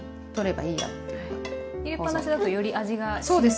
入れっぱなしだとより味が浸透する。